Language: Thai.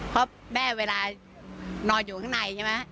เพราะแม่เวลานอนอยู่ข้างในใช่ไหม